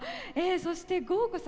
そして郷古さん。